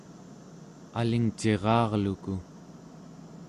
alingcira'arluku